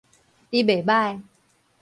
你袂䆀